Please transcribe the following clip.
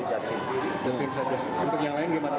untuk yang lain bagaimana